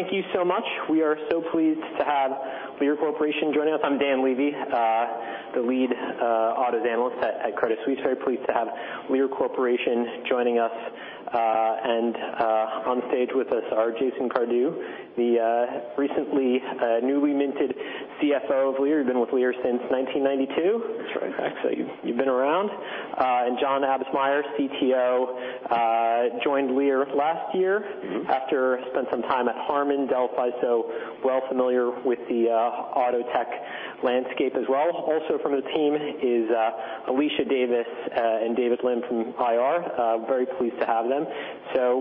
Thank you so much. We are so pleased to have Lear Corporation joining us. I'm Dan Levy, the Lead Autos Analyst at Credit Suisse. Very pleased to have Lear Corporation joining us, and on stage with us are Jason Cardew, the recently newly minted CFO of Lear. You've been with Lear since 1992. That's right. You've been around. John Absmeier, CTO, joined Lear last year. after spending some time at HARMAN, Delphi, so well familiar with the auto tech landscape as well. Also from the team is Alicia Davis and David Lynn from IR. Very pleased to have them.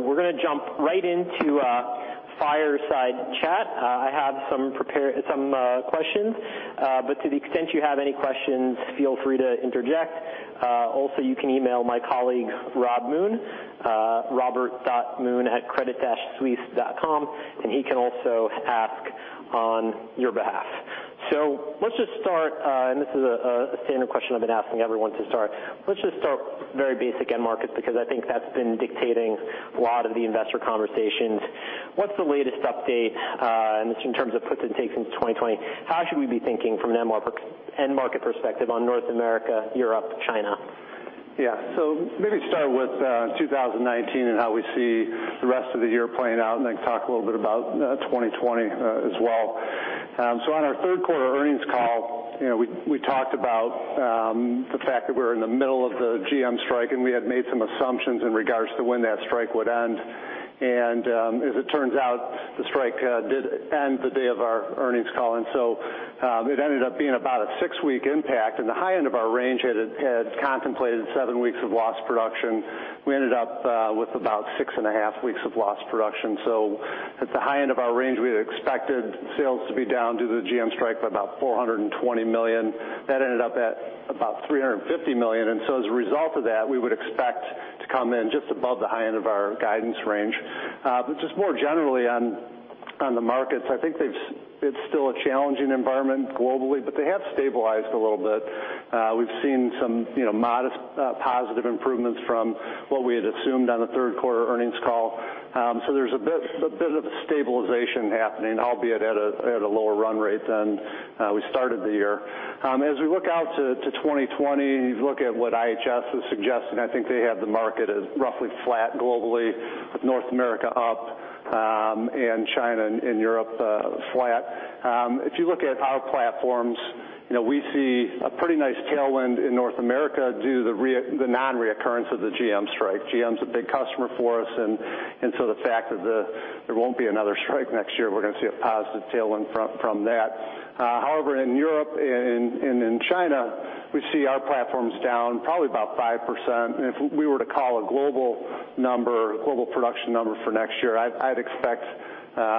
We're going to jump right into a fireside chat. I have some questions, but to the extent you have any questions, feel free to interject. Also, you can email my colleague Rob Moon, robert.moon@credit-suisse.com, and he can also ask on your behalf. Let's just start, and this is a standard question I've been asking everyone to start. Let's just start very basic end markets, because I think that's been dictating a lot of the investor conversations. What's the latest update, and this in terms of puts and takes into 2020, how should we be thinking from an end market perspective on North America, Europe, China? Yeah. Maybe start with 2019 and how we see the rest of the year playing out, and then talk a little bit about 2020 as well. On our third quarter earnings call, we talked about the fact that we were in the middle of the GM strike, and we had made some assumptions in regards to when that strike would end. As it turns out, the strike did end the day of our earnings call. It ended up being about a six-week impact, and the high end of our range had contemplated seven weeks of lost production. We ended up with about 6.5 weeks of lost production. At the high end of our range, we had expected sales to be down due to the GM strike by about $420 million. That ended up at about $350 million. As a result of that, we would expect to come in just above the high end of our guidance range. Just more generally on the markets, I think it's still a challenging environment globally, but they have stabilized a little bit. We've seen some modest positive improvements from what we had assumed on the third quarter earnings call. There's a bit of stabilization happening, albeit at a lower run rate than we started the year. As we look out to 2020, look at what IHS is suggesting, I think they have the market as roughly flat globally, with North America up, and China and Europe flat. If you look at our platforms, we see a pretty nice tailwind in North America due to the non-reoccurrence of the GM strike. GM's a big customer for us, and so the fact that there won't be another strike next year, we're going to see a positive tailwind from that. However, in Europe and in China, we see our platforms down probably about 5%. If we were to call a global production number for next year, I'd expect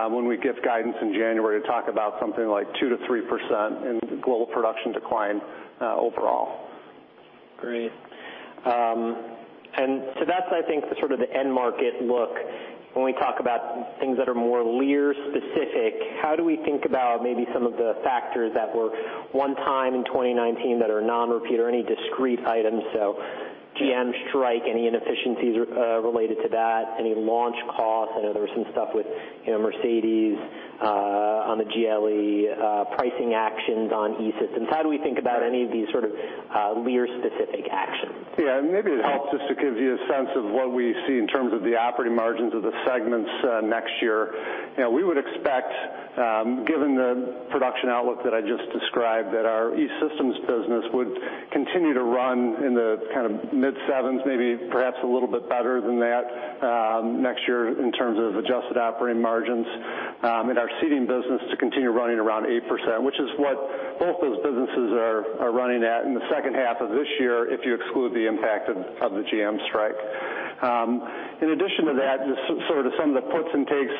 when we give guidance in January to talk about something like 2%-3% in global production decline overall. Great. That's, I think, the end market look. When we talk about things that are more Lear specific, how do we think about maybe some of the factors that were one time in 2019 that are non-repeater, any discrete items? GM strike, any inefficiencies related to that, any launch costs, I know there was some stuff with Mercedes on the GLE pricing actions on E-Systems. How do we think about any of these sort of Lear specific actions? Maybe it helps just to give you a sense of what we see in terms of the operating margins of the segments next year. We would expect, given the production outlook that I just described, that our E-Systems business would continue to run in the mid sevens, maybe perhaps a little bit better than that next year in terms of adjusted operating margins, and our seating business to continue running around 8%, which is what both those businesses are running at in the second half of this year if you exclude the impact of the GM strike. In addition to that, just some of the puts and takes,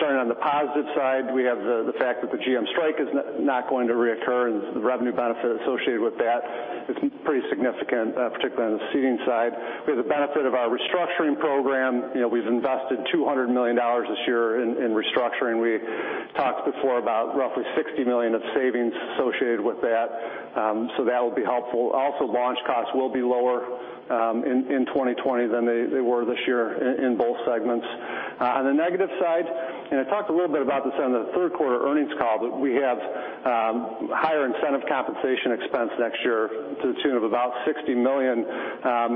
starting on the positive side, we have the fact that the GM strike is not going to reoccur, and the revenue benefit associated with that is pretty significant, particularly on the seating side. We have the benefit of our restructuring program. We've invested $200 million this year in restructuring. We talked before about roughly $60 million of savings associated with that. That'll be helpful. Also, launch costs will be lower in 2020 than they were this year in both segments. On the negative side, I talked a little bit about this on the third quarter earnings call, we have higher incentive compensation expense next year to the tune of about $60 million.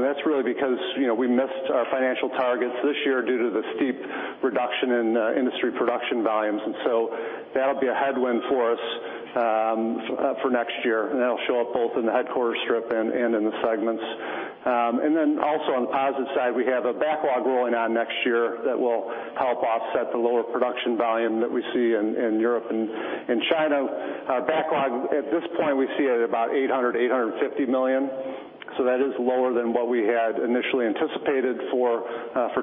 That's really because we missed our financial targets this year due to the steep reduction in industry production volumes, that'll be a headwind for us for next year. That'll show up both in the headquarters strip and in the segments. Also on the positive side, we have a backlog rolling on next year that will help offset the lower production volume that we see in Europe and China. Our backlog, at this point, we see it about $800 million-$850 million. That is lower than what we had initially anticipated for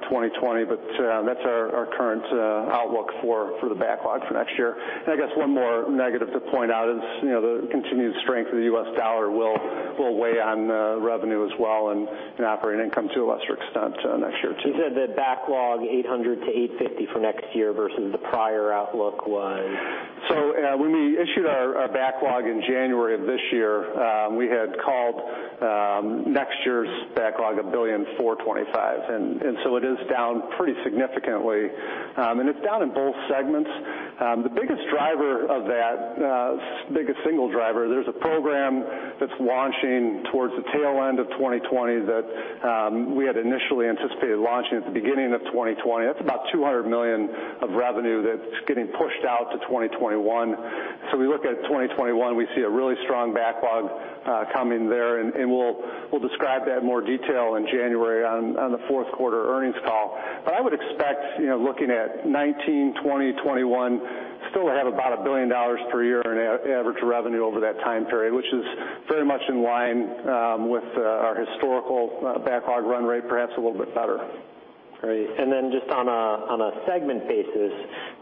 2020, but that's our current outlook for the backlog for next year. I guess one more negative to point out is the continued strength of the U.S. dollar will weigh on revenue as well, and operating income to a lesser extent next year, too. You said that backlog $800 million-$850 million for next year versus the prior outlook was? When we issued our backlog in January of this year, we had called next year's backlog $1.425 billion. It is down pretty significantly, and it's down in both segments. The biggest single driver of that, there's a program that's launching towards the tail end of 2020 that we had initially anticipated launching at the beginning of 2020. That's about $200 million of revenue that's getting pushed out to 2021. We look at 2021, we see a really strong backlog coming there, and we'll describe that in more detail in January on the fourth quarter earnings call. I would expect, looking at 2019, 2020, 2021, still have about $1 billion per year in average revenue over that time period, which is very much in line with our historical backlog run rate, perhaps a little bit better. Great. Just on a segment basis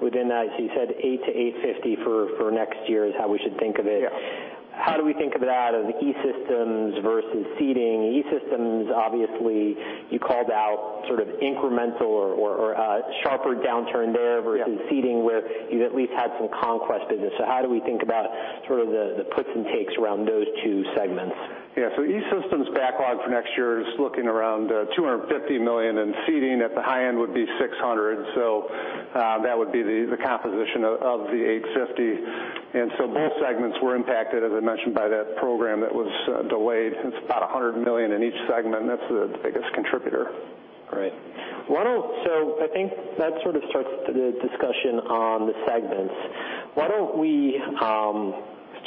within that, you said $8 to $850 for next year is how we should think of it. Yeah. How do we think of that as E-Systems versus Seating? E-Systems, obviously, you called out sort of incremental or a sharper downturn there. Yeah versus Seating, where you've at least had some conquest business. How do we think about sort of the puts and takes around those two segments? E-Systems backlog for next year is looking around $250 million, and Seating at the high end would be $600 million. That would be the composition of the $850 million. Both segments were impacted, as I mentioned, by that program that was delayed. It's about $100 million in each segment, and that's the biggest contributor. Great. I think that sort of starts the discussion on the segments. Why don't we start,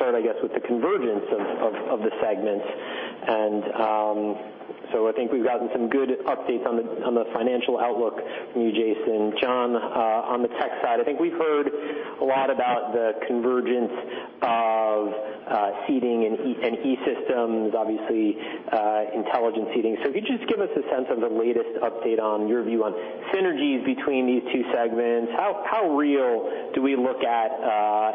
I guess, with the convergence of the segments? I think we've gotten some good updates on the financial outlook from you, Jason. John, on the tech side, I think we've heard a lot about the convergence of Seating and E-Systems, obviously, intelligent seating. If you could just give us a sense of the latest update on your view on synergies between these two segments. How real do we look at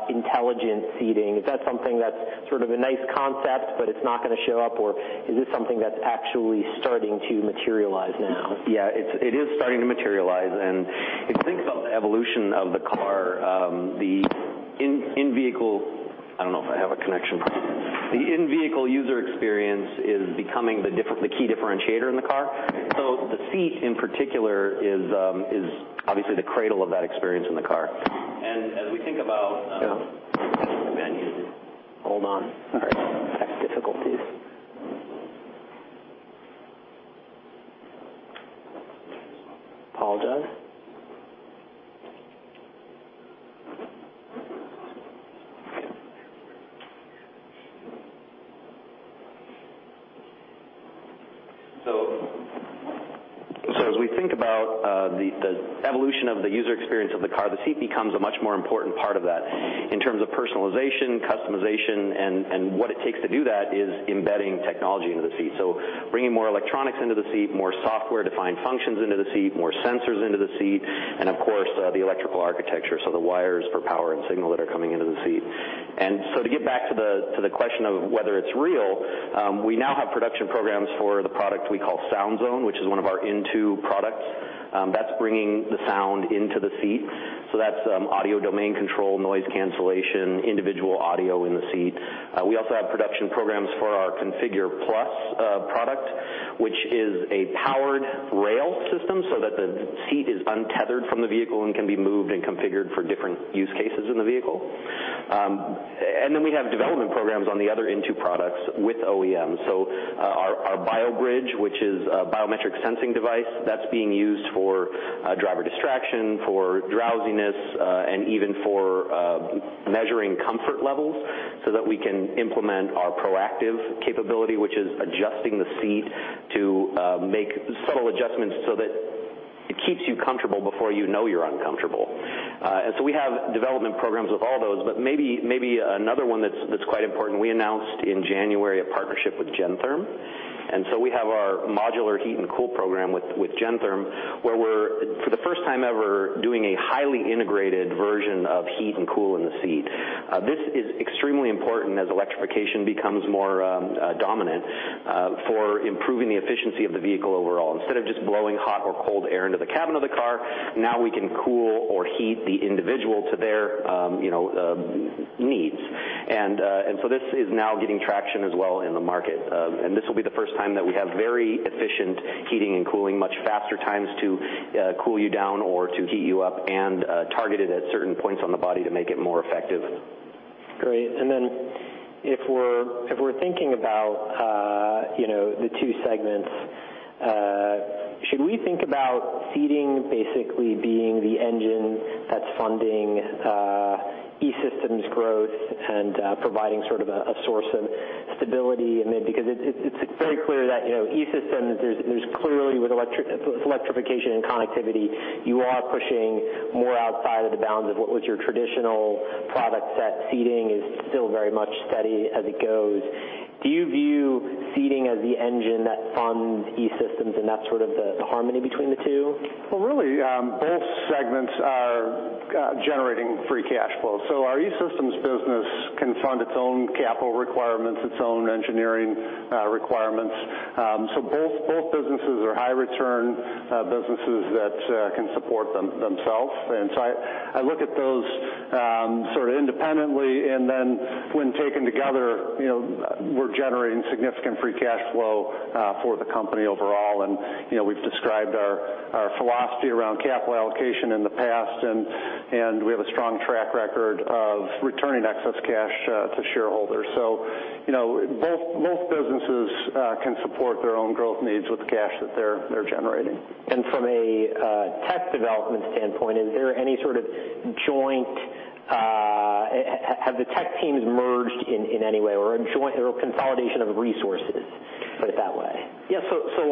intelligent seating? Is that something that's sort of a nice concept, but it's not going to show up, or is this something that's actually starting to materialize now? Yeah, it is starting to materialize. If you think about the evolution of the car, the in-vehicle user experience is becoming the key differentiator in the car. The seat, in particular, is obviously the cradle of that experience in the car. Yeah. Hold on. All right. Tech difficulties. All done? As we think about the evolution of the user experience of the car, the seat becomes a much more important part of that in terms of personalization, customization, and what it takes to do that is embedding technology into the seat. Bringing more electronics into the seat, more software-defined functions into the seat, more sensors into the seat, and of course, the electrical architecture, so the wires for power and signal that are coming into the seat. To get back to the question of whether it's real, we now have production programs for the product we call Sound Zone, which is one of our INTU products. That's bringing the sound into the seat. That's audio domain control, noise cancellation, individual audio in the seat. We also have production programs for our Configure+ product, which is a powered rail system so that the seat is untethered from the vehicle and can be moved and configured for different use cases in the vehicle. We have development programs on the other INTU products with OEMs. Our BioBridge, which is a biometric sensing device, that's being used for driver distraction, for drowsiness, and even for measuring comfort levels so that we can implement our proactive capability, which is adjusting the seat to make subtle adjustments so that it keeps you comfortable before you know you're uncomfortable. We have development programs with all those, but maybe another one that's quite important, we announced in January a partnership with Gentherm. We have our modular heat and cool program with Gentherm, where we're, for the first time ever, doing a highly integrated version of heat and cool in the seat. This is extremely important as electrification becomes more dominant for improving the efficiency of the vehicle overall. Instead of just blowing hot or cold air into the cabin of the car, now we can cool or heat the individual to their needs. This is now getting traction as well in the market, and this will be the first time that we have very efficient heating and cooling, much faster times to cool you down or to heat you up, and targeted at certain points on the body to make it more effective. Great. If we're thinking about the two segments, should we think about Seating basically being the engine that's funding E-Systems growth and providing sort of a source of stability? It's very clear that E-Systems, there's clearly with electrification and connectivity, you are pushing more outside of the bounds of what was your traditional product set. Seating is still very much steady as it goes. Do you view Seating as the engine that funds E-Systems and that's sort of the harmony between the two? Really both segments are generating free cash flow. Our E-Systems, this business can fund its own capital requirements, its own engineering requirements. Both businesses are high return businesses that can support themselves. I look at those sort of independently, and then when taken together, we're generating significant free cash flow for the company overall. We've described our philosophy around capital allocation in the past, and we have a strong track record of returning excess cash to shareholders. Both businesses can support their own growth needs with the cash that they're generating. From a tech development standpoint, have the tech teams merged in any way or a consolidation of resources? Put it that way. Yeah.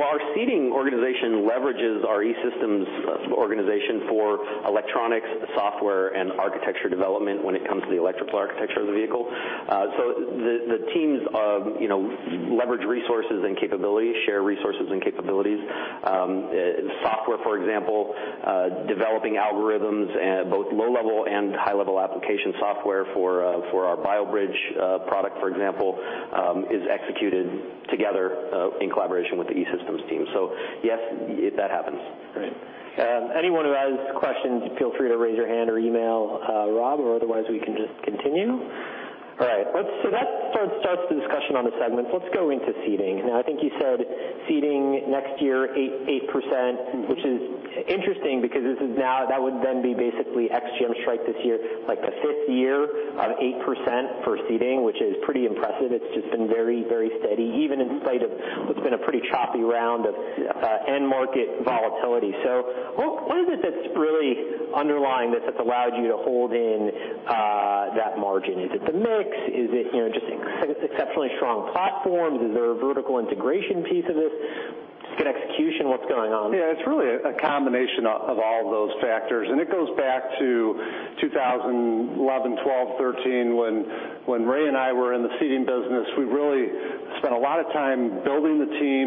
Our seating organization leverages our E-Systems organization for electronics, software, and architecture development when it comes to the electrical architecture of the vehicle. The teams leverage resources and capabilities, share resources and capabilities. Software, for example, developing algorithms both low level and high-level application software for our BioBridge product, for example, is executed together in collaboration with the E-Systems team. Yes, that happens. Great. Anyone who has questions, feel free to raise your hand or email Rob, or otherwise we can just continue. All right. That starts the discussion on the segments. Let's go into seating. Now, I think you said seating next year, 8%, which is interesting because that would then be basically ex-GM strike this year, like the fifth year of 8% for seating, which is pretty impressive. It's just been very steady, even in spite of what's been a pretty choppy round of end market volatility. What is it that's really underlying this that's allowed you to hold in that margin? Is it the mix? Is it just exceptionally strong platforms? Is there a vertical integration piece of this? Good execution? What's going on? Yeah, it's really a combination of all of those factors. It goes back to 2011, 2012, 2013, when Ray and I were in the seating business. We really spent a lot of time building the team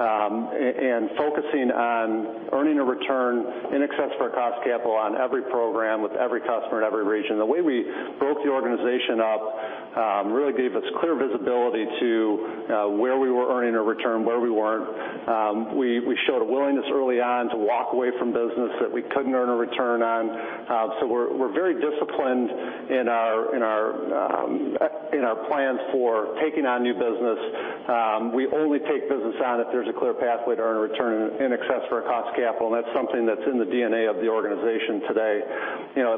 and focusing on earning a return in excess of our cost capital on every program with every customer in every region. The way we built the organization up really gave us clear visibility to where we were earning a return, where we weren't. We showed a willingness early on to walk away from business that we couldn't earn a return on. We're very disciplined in our plans for taking on new business. We only take business on if there's a clear pathway to earn a return in excess for our cost capital. That's something that's in the DNA of the organization today.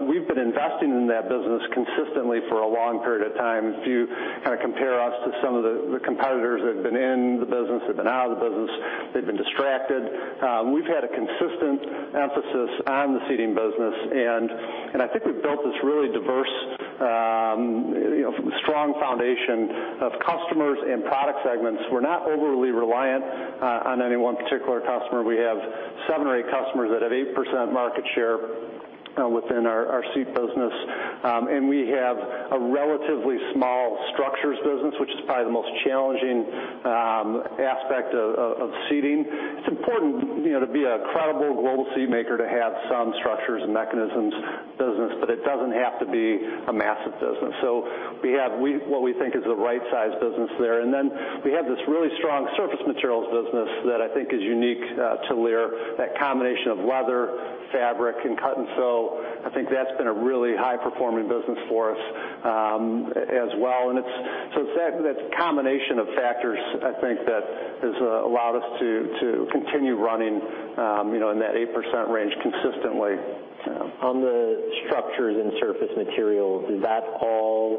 We've been investing in that business consistently for a long period of time. If you kind of compare us to some of the competitors that have been in the business, they've been out of the business, they've been distracted. We've had a consistent emphasis on the seating business. I think we've built this really diverse, strong foundation of customers and product segments. We're not overly reliant on any one particular customer. We have seven or eight customers that have 8% market share within our seat business. We have a relatively small structures business, which is probably the most challenging aspect of seating. It's important to be a credible global seat maker to have some structures and mechanisms business. It doesn't have to be a massive business. We have what we think is the right size business there. We have this really strong surface materials business that I think is unique to Lear, that combination of leather, fabric, and cut and sew. I think that's been a really high-performing business for us as well. It's that combination of factors, I think, that has allowed us to continue running in that 8% range consistently. On the structures and surface materials, is that all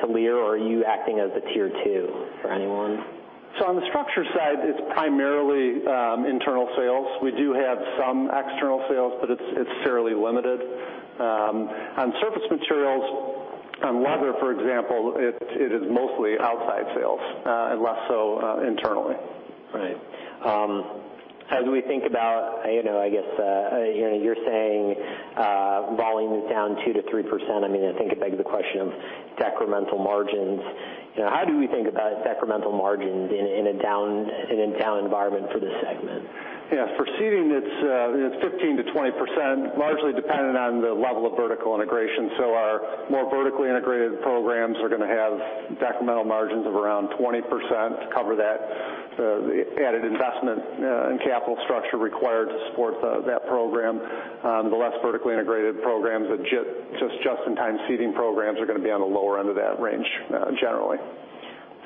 to Lear, or are you acting as a tier 2 for anyone? On the structure side, it's primarily internal sales. We do have some external sales, but it's fairly limited. On surface materials, on leather, for example, it is mostly outside sales and less so internally. Right. As we think about, I guess, you're saying volume is down 2%-3%. I think it begs the question of decremental margins. How do we think about decremental margins in a down environment for this segment? Yeah. For seating, it's 15%-20%, largely dependent on the level of vertical integration. Our more vertically integrated programs are going to have decremental margins of around 20% to cover that added investment in capital structure required to support that program. The less vertically integrated programs, the just-in-time seating programs are going to be on the lower end of that range, generally.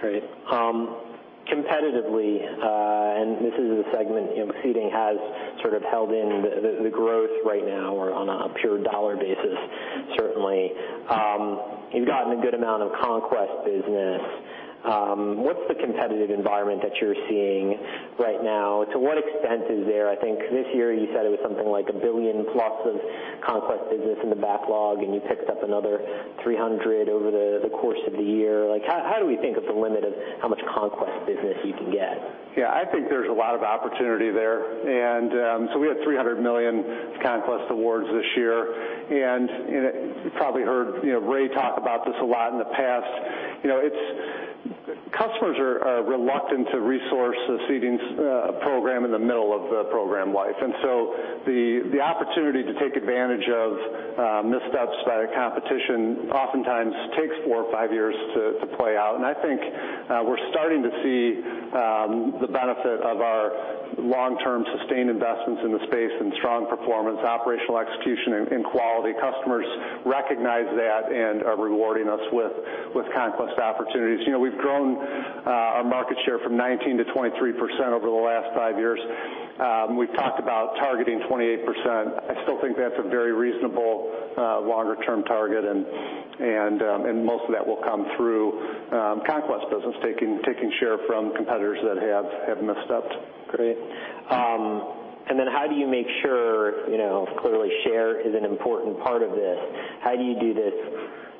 Great. Competitively, this is a segment Seating has sort of held in the growth right now or on a pure $ basis, certainly. You've gotten a good amount of conquest business. What's the competitive environment that you're seeing right now? To what extent is there, I think this year you said it was something like $1 billion plus of conquest business in the backlog, and you picked up another $300 million over the course of the year. How do we think of the limit of how much conquest business you can get? Yeah, I think there's a lot of opportunity there. We had $300 million conquest awards this year. You probably heard Ray talk about this a lot in the past. Customers are reluctant to resource the Seating program in the middle of the program life. The opportunity to take advantage of missteps by our competition oftentimes takes four or five years to play out. I think we're starting to see the benefit of our long-term sustained investments in the space and strong performance, operational execution, and quality. Customers recognize that and are rewarding us with conquest opportunities. We've grown our market share from 19% to 23% over the last five years. We've talked about targeting 28%. I still think that's a very reasonable longer-term target, most of that will come through conquest business, taking share from competitors that have misstepped. Great. Clearly share is an important part of this. How do you do this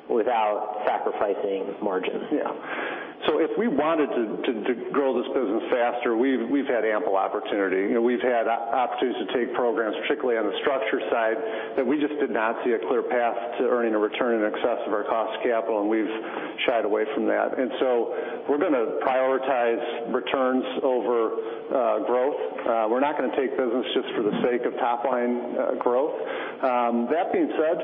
without sacrificing margins? Yeah. If we wanted to grow this business faster, we've had ample opportunity. We've had opportunities to take programs, particularly on the structure side, that we just did not see a clear path to earning a return in excess of our cost of capital, and we've shied away from that. We're going to prioritize returns over growth. We're not going to take business just for the sake of top-line growth. That being said,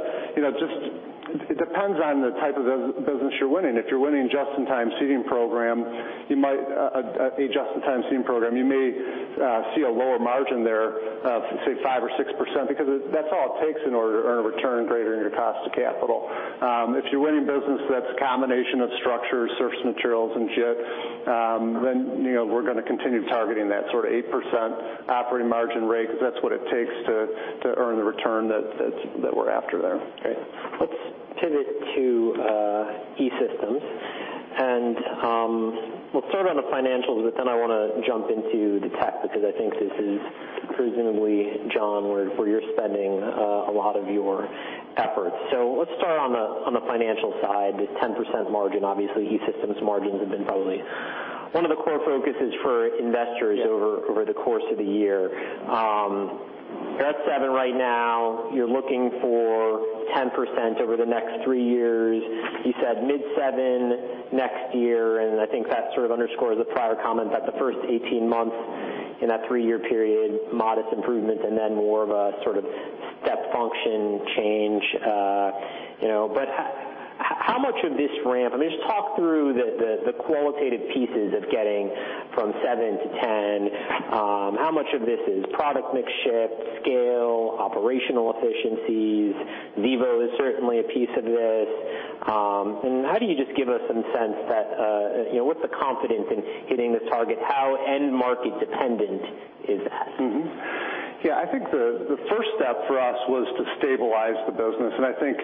it depends on the type of business you're winning. If you're winning a just-in-time seating program, you may see a lower margin there of, say, 5% or 6%, because that's all it takes in order to earn a return greater than your cost of capital. If you're winning business that's a combination of structure, surface materials, and JIT, then we're going to continue targeting that sort of 8% operating margin rate, because that's what it takes to earn the return that we're after there. Great. Let's pivot to E-Systems. We'll start on the financials, but then I want to jump into the tech, because I think this is presumably, John, where you're spending a lot of your efforts. Let's start on the financial side, the 10% margin. Obviously, E-Systems margins have been probably one of the core focuses for investors. Yeah over the course of the year. You're at seven right now. You're looking for 10% over the next three years. You said mid seven next year, and I think that sort of underscores a prior comment that the first 18 months in that three-year period, modest improvement, and then more of a sort of step function change. How much of this, I mean, just talk through the qualitative pieces of getting from seven to 10. How much of this is product mix shift, scale, operational efficiencies? VIVO is certainly a piece of this. How do you just give us some sense what's the confidence in hitting this target? How end-market dependent is that? Yeah, I think the first step for us was to stabilize the business. I think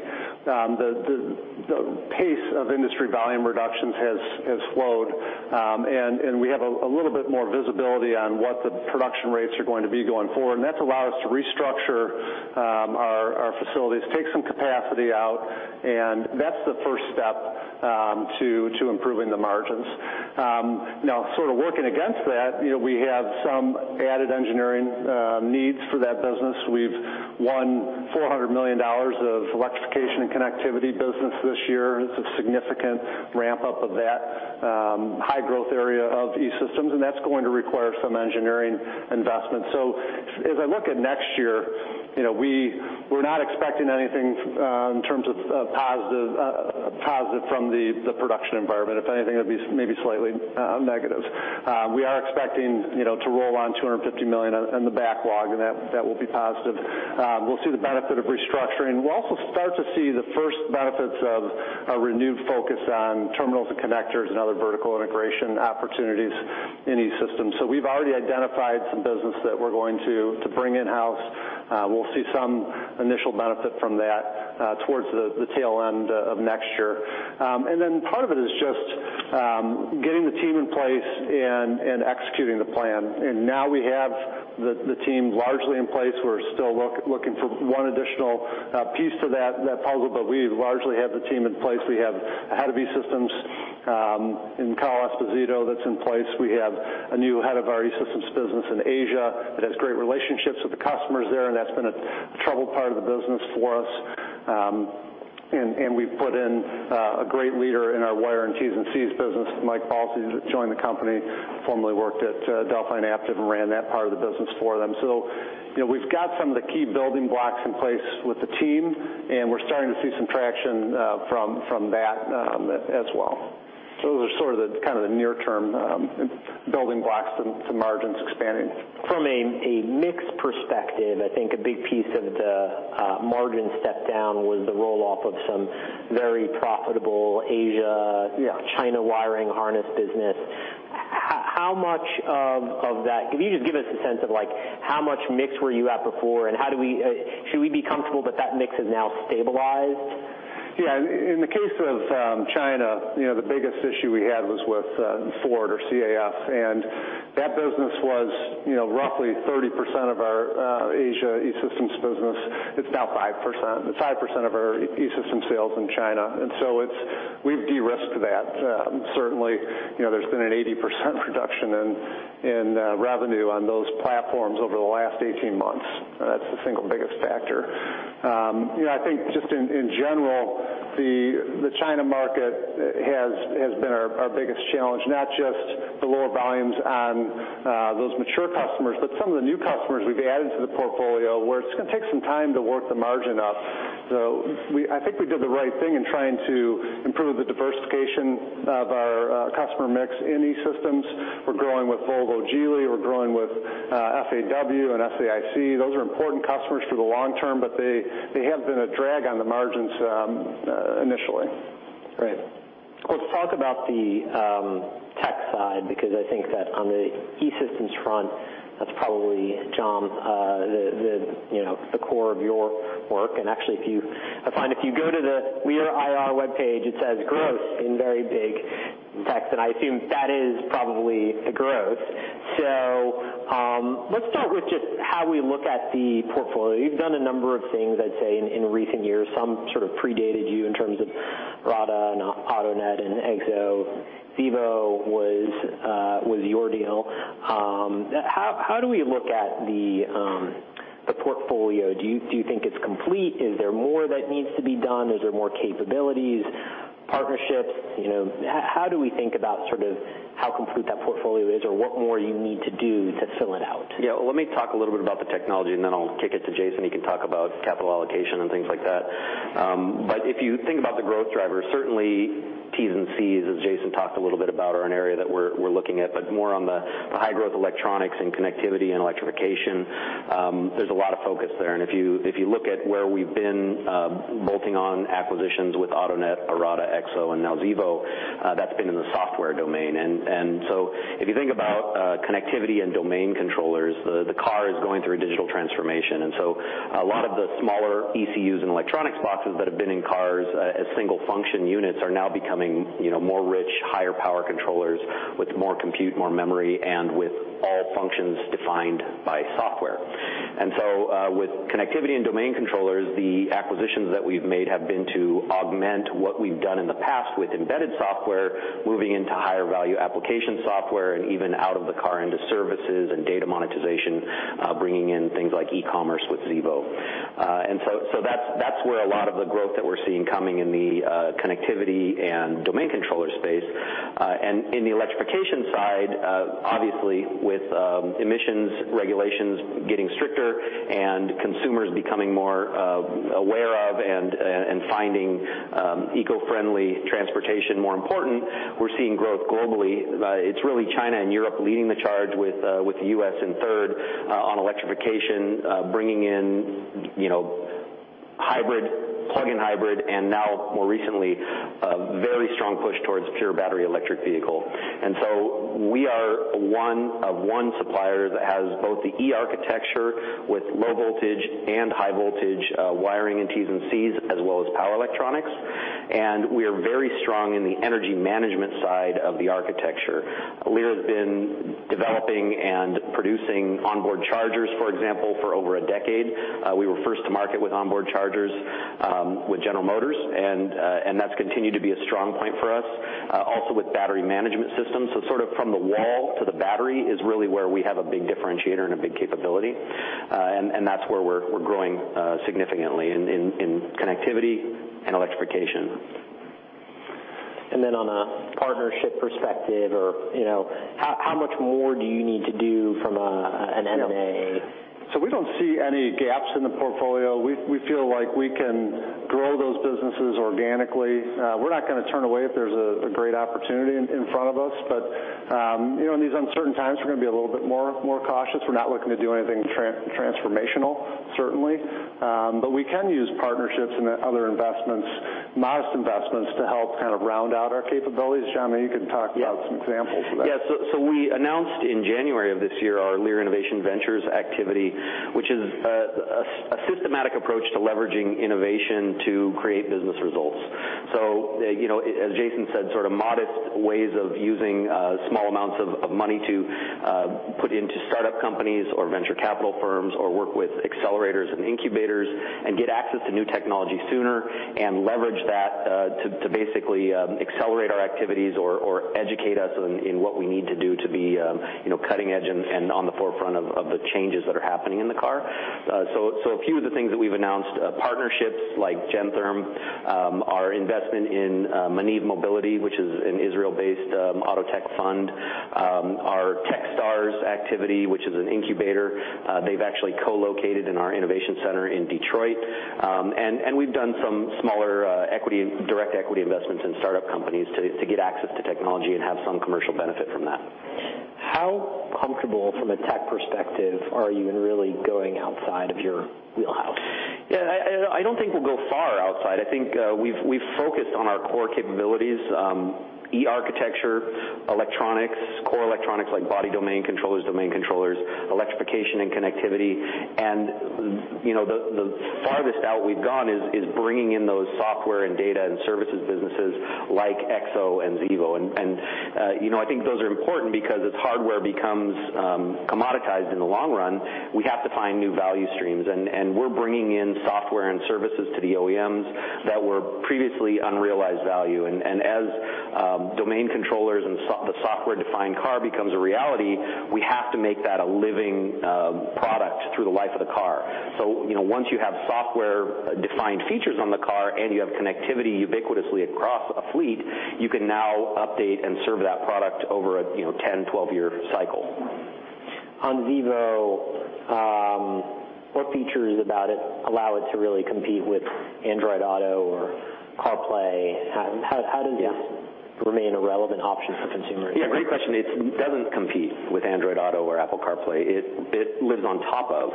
the pace of industry volume reductions has slowed, and we have a little bit more visibility on what the production rates are going to be going forward, and that's allowed us to restructure our facilities, take some capacity out, and that's the first step to improving the margins. Now, sort of working against that, we have some added engineering needs for that business. We've won $400 million of electrification and connectivity business this year, it's a significant ramp-up of that high-growth area of E-Systems, and that's going to require some engineering investment. As I look at next year, we're not expecting anything in terms of positive from the production environment. If anything, it'll be maybe slightly negatives. We are expecting to roll on $250 million in the backlog. That will be positive. We'll see the benefit of restructuring. We'll also start to see the first benefits of a renewed focus on terminals and connectors and other vertical integration opportunities in E-Systems. We've already identified some business that we're going to bring in-house. We'll see some initial benefit from that towards the tail end of next year. Part of it is just getting the team in place and executing the plan. We have the team largely in place. We're still looking for one additional piece to that puzzle, but we largely have the team in place. We have a head of E-Systems in Carl Esposito that's in place. We have a new head of our E-Systems business in Asia that has great relationships with the customers there, and that's been a troubled part of the business for us. We've put in a great leader in our wire and Ts and Cs business, Mike Balsley, who joined the company, formerly worked at Delphi and Aptiv and ran that part of the business for them. We've got some of the key building blocks in place with the team, and we're starting to see some traction from that as well. Those are sort of the near-term building blocks to margins expanding. From a mix perspective, I think a big piece of the margin step down was the roll-off of some very profitable Asia- Yeah China wiring harness business. How much can you just give us a sense of how much mix were you at before, and should we be comfortable that that mix has now stabilized? In the case of China, the biggest issue we had was with Ford or CAF. That business was roughly 30% of our Asia E-Systems business. It's now 5%. It's 5% of our E-Systems sales in China. We've de-risked that. Certainly, there's been an 80% reduction in revenue on those platforms over the last 18 months. That's the single biggest factor. I think just in general, the China market has been our biggest challenge, not just the lower volumes on those mature customers, but some of the new customers we've added to the portfolio, where it's going to take some time to work the margin up. I think we did the right thing in trying to improve the diversification of our customer mix in E-Systems. We're growing with Volvo Geely, we're growing with FAW and SAIC. Those are important customers for the long term, but they have been a drag on the margins initially. Great. Let's talk about the tech side, because I think that on the E-Systems front, that's probably, John, the core of your work, and actually, I find if you go to the Lear IR webpage, it says growth in very big text, and I assume that is probably the growth. Let's start with just how we look at the portfolio. You've done a number of things, I'd say, in recent years. Some sort of predated you in terms of Arada, and Autonet, and EXO. Xevo was your deal. How do we look at the portfolio? Do you think it's complete? Is there more that needs to be done? Is there more capabilities, partnerships? How do we think about how complete that portfolio is, or what more you need to do to fill it out? Yeah, let me talk a little bit about the technology, then I'll kick it to Jason. He can talk about capital allocation and things like that. If you think about the growth drivers, certainly Ts and Cs, as Jason talked a little bit about, are an area that we're looking at. More on the high-growth electronics and connectivity and electrification, there's a lot of focus there. If you look at where we've been bolting on acquisitions with Autonet, Arada, EXO, and now Xevo, that's been in the software domain. If you think about connectivity and domain controllers, the car is going through a digital transformation. A lot of the smaller ECUs and electronics boxes that have been in cars as single-function units are now becoming more rich, higher power controllers with more compute, more memory, and with all functions defined by software. With connectivity and domain controllers, the acquisitions that we've made have been to augment what we've done in the past with embedded software, moving into higher value application software and even out of the car into services and data monetization, bringing in things like e-commerce with Xevo. That's where a lot of the growth that we're seeing coming in the connectivity and domain controller space. In the electrification side, obviously, with emissions regulations getting stricter and consumers becoming more aware of and finding eco-friendly transportation more important, we're seeing growth globally. It's really China and Europe leading the charge with the U.S. in third on electrification, bringing in hybrid, plug-in hybrid, and now more recently, a very strong push towards pure battery electric vehicle. We are one of one supplier that has both the E-architecture with low voltage and high voltage wiring and Ts and Cs, as well as power electronics, we are very strong in the energy management side of the architecture. Lear has been developing and producing onboard chargers, for example, for over a decade. We were first to market with onboard chargers with General Motors, that's continued to be a strong point for us. Also with battery management systems. Sort of from the wall to the battery is really where we have a big differentiator and a big capability, that's where we're growing significantly in connectivity and electrification. On a partnership perspective, how much more do you need to do from an M&A? We don't see any gaps in the portfolio. We feel like we can grow those businesses organically. We're not going to turn away if there's a great opportunity in front of us. In these uncertain times, we're going to be a little bit more cautious. We're not looking to do anything transformational, certainly. We can use partnerships and other investments, modest investments, to help kind of round out our capabilities. John, maybe you can talk about some examples of that. We announced in January of this year our Lear Innovation Ventures activity, which is a systematic approach to leveraging innovation to create business results. As Jason said, sort of modest ways of using small amounts of money to put into startup companies or venture capital firms or work with accelerators and incubators and get access to new technology sooner and leverage that to basically accelerate our activities or educate us in what we need to do to be cutting edge and on the forefront of the changes that are happening in the car. A few of the things that we've announced, partnerships like Gentherm, our investment in Maniv Mobility, which is an Israel-based auto tech fund, our Techstars activity, which is an incubator. They've actually co-located in our innovation center in Detroit. We've done some smaller direct equity investments in startup companies to get access to technology and have some commercial benefit from that. How comfortable, from a tech perspective, are you in really going outside of your wheelhouse? Yeah, I don't think we'll go far outside. I think we've focused on our core capabilities, E-architecture, electronics, core electronics like body domain controllers, domain controllers, electrification and connectivity. The farthest out we've gone is bringing in those software and data and services businesses like Xevo and Xevo. I think those are important because as hardware becomes commoditized in the long run, we have to find new value streams, and we're bringing in software and services to the OEMs that were previously unrealized value. As domain controllersSoftware-defined car becomes a reality, we have to make that a living product through the life of the car. Once you have software-defined features on the car and you have connectivity ubiquitously across a fleet, you can now update and serve that product over a 10, 12-year cycle. On Xevo, what features about it allow it to really compete with Android Auto or CarPlay? How does this remain a relevant option for consumers? Yeah, great question. It doesn't compete with Android Auto or Apple CarPlay. It lives on top of.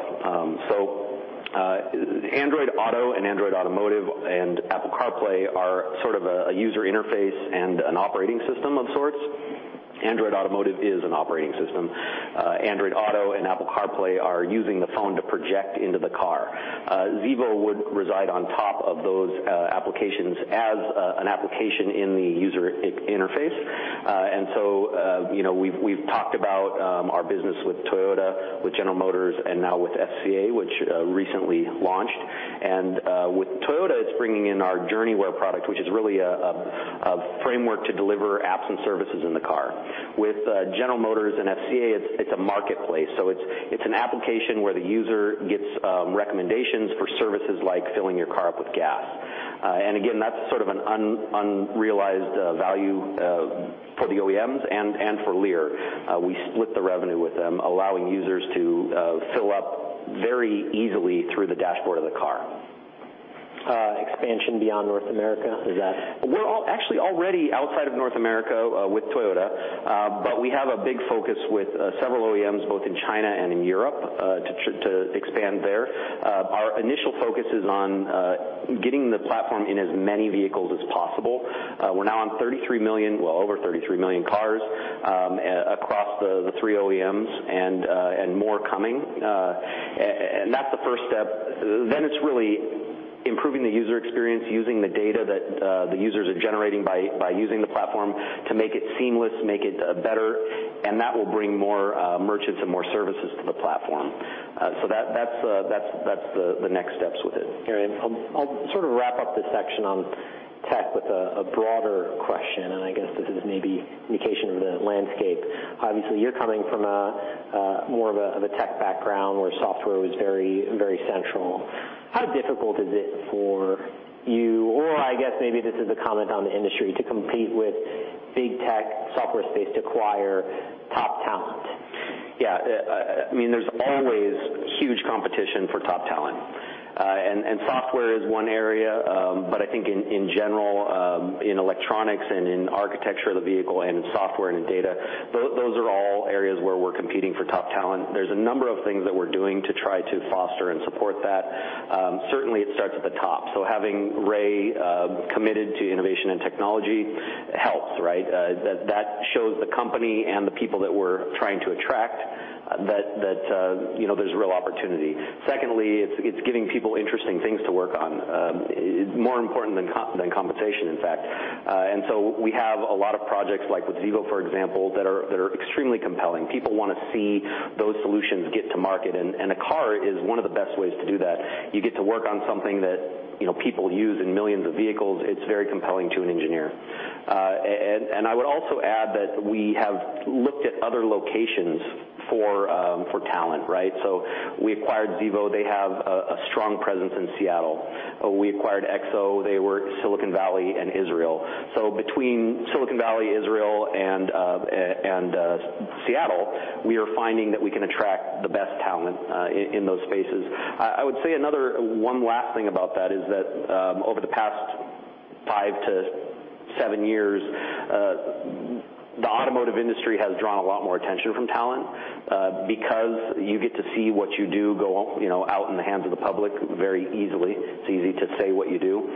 Android Auto and Android Automotive and Apple CarPlay are a user interface and an operating system of sorts. Android Automotive is an operating system. Android Auto and Apple CarPlay are using the phone to project into the car. Xevo would reside on top of those applications as an application in the user interface. We've talked about our business with Toyota, with General Motors, and now with FCA, which recently launched. With Toyota, it's bringing in our Journeyware product, which is really a framework to deliver apps and services in the car. With General Motors and FCA, it's a marketplace. It's an application where the user gets recommendations for services like filling your car up with gas. Again, that's sort of an unrealized value for the OEMs and for Lear. We split the revenue with them, allowing users to fill up very easily through the dashboard of the car. Expansion beyond North America, is that? We're actually already outside of North America with Toyota. We have a big focus with several OEMs, both in China and in Europe, to expand there. Our initial focus is on getting the platform in as many vehicles as possible. We're now on 33 million, well over 33 million cars across the 3 OEMs and more coming. That's the first step. It's really improving the user experience using the data that the users are generating by using the platform to make it seamless, make it better, and that will bring more merchants and more services to the platform. That's the next steps with it. John, I'll sort of wrap up this section on tech with a broader question, and I guess this is maybe indication of the landscape. Obviously, you're coming from more of a tech background where software was very central. How difficult is it for you, or I guess maybe this is a comment on the industry, to compete with big tech software space to acquire top talent? Yeah. There's always huge competition for top talent. Software is one area, but I think in general, in electronics and in architecture of the vehicle and in software and in data, those are all areas where we're competing for top talent. There's a number of things that we're doing to try to foster and support that. Certainly it starts at the top. Having Ray committed to innovation and technology helps, right? That shows the company and the people that we're trying to attract that there's real opportunity. Secondly, it's giving people interesting things to work on. More important than compensation, in fact. We have a lot of projects like with Xevo, for example, that are extremely compelling. People want to see those solutions get to market, and a car is one of the best ways to do that. You get to work on something that people use in millions of vehicles. It's very compelling to an engineer. I would also add that we have looked at other locations for talent, right? We acquired Xevo. They have a strong presence in Seattle. We acquired EXO, they were Silicon Valley and Israel. Between Silicon Valley, Israel, and Seattle, we are finding that we can attract the best talent in those spaces. I would say another one last thing about that is that over the past five to seven years, the automotive industry has drawn a lot more attention from talent because you get to see what you do go out in the hands of the public very easily. It's easy to say what you do.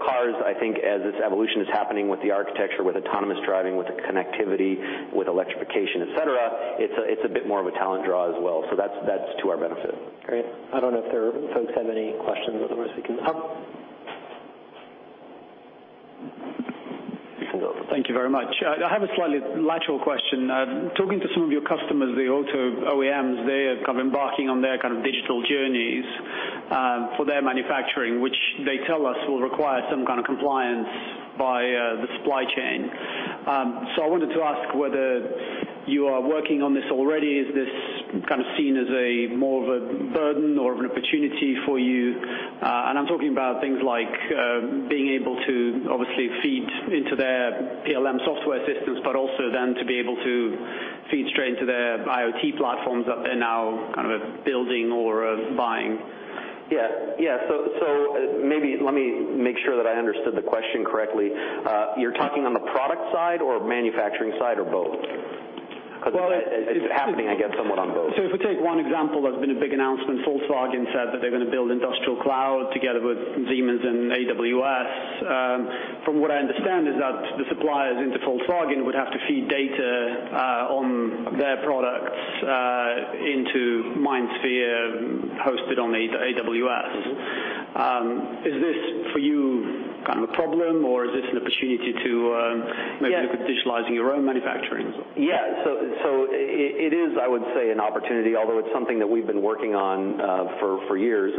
Cars, I think as its evolution is happening with the architecture, with autonomous driving, with the connectivity, with electrification, et cetera, it's a bit more of a talent draw as well. That's to our benefit. Great. I don't know if folks have any questions, otherwise You can go. Thank you very much. I have a slightly lateral question. Talking to some of your customers, the auto OEMs, they are embarking on their digital journeys for their manufacturing, which they tell us will require some kind of compliance by the supply chain. I wanted to ask whether you are working on this already. Is this kind of seen as a more of a burden or of an opportunity for you? I'm talking about things like being able to obviously feed into their PLM software systems, but also then to be able to feed straight into their IoT platforms that they're now kind of building or are buying. Yeah. Maybe let me make sure that I understood the question correctly. You're talking on the product side or manufacturing side, or both? Well, it- Because it's happening, I guess, somewhat on both. If we take one example that's been a big announcement, Volkswagen said that they're going to build Industrial Cloud together with Siemens and AWS. From what I understand is that the suppliers into Volkswagen would have to feed data on their products into MindSphere hosted on AWS. Is this for you kind of a problem? Yeah look at digitalizing your own manufacturing? It is, I would say, an opportunity, although it's something that we've been working on for years.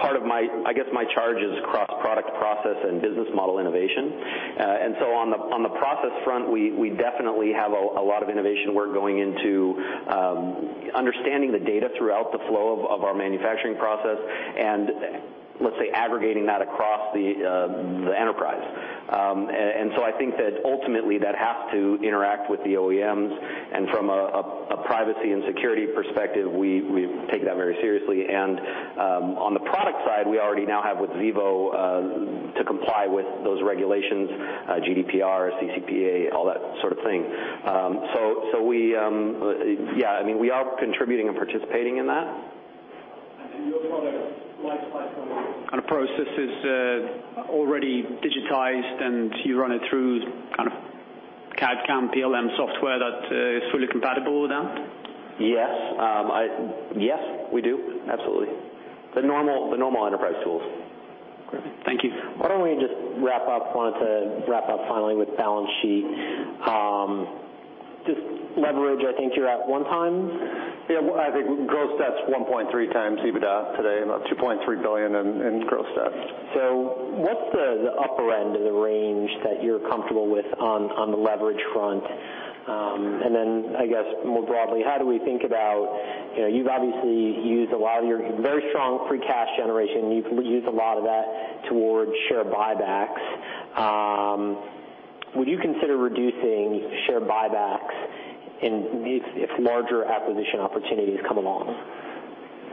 Part of, I guess, my charge is cross-product process and business model innovation. On the process front, we definitely have a lot of innovation work going into understanding the data throughout the flow of our manufacturing process and, let's say, aggregating that across the enterprise. I think that ultimately that has to interact with the OEMs. From a privacy and security perspective, we've taken that very seriously. On the product side, we already now have with Xevo to comply with those regulations, GDPR, CCPA, all that sort of thing. We are contributing and participating in that. Your product lifecycle kind of process is already digitized, and you run it through kind of CAD, CAM, PLM software that is fully compatible with that? Yes. We do. Absolutely. The normal enterprise tools. Great. Thank you. Why don't we just wrap up? I wanted to wrap up finally with balance sheet. Just leverage, I think you're at one times? Yeah. I think gross debt's 1.3 times EBITDA today, about $2.3 billion in gross debt. What's the upper end of the range that you're comfortable with on the leverage front? I guess more broadly, how do we think about, you've obviously used a lot of your very strong free cash generation. You've used a lot of that towards share buybacks. Would you consider reducing share buybacks if larger acquisition opportunities come along?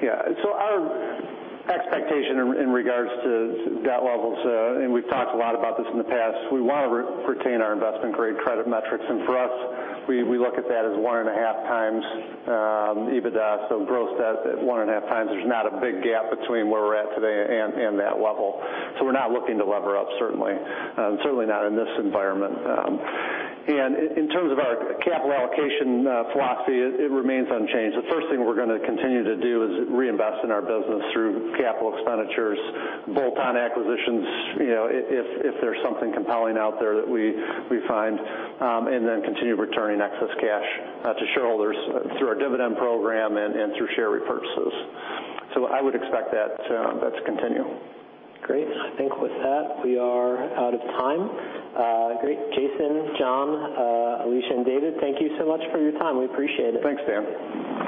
Our expectation in regards to debt levels, and we've talked a lot about this in the past, we want to retain our investment grade credit metrics. For us, we look at that as 1.5 times EBITDA. Gross debt at 1.5 times, there's not a big gap between where we're at today and that level. We're not looking to lever up certainly not in this environment. In terms of our capital allocation philosophy, it remains unchanged. The first thing we're going to continue to do is reinvest in our business through capital expenditures, bolt-on acquisitions, if there's something compelling out there that we find, continue returning excess cash to shareholders through our dividend program and through share repurchases. I would expect that to continue. Great. I think with that, we are out of time. Great. Jason, John, Alicia, and David, thank you so much for your time. We appreciate it. Thanks, Dan.